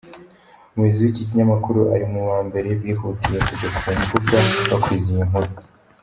Umuyobozi w’iki kinyamakuru ari mubambere bihutiye kujya kumbuga bakwiza iyi nkuru.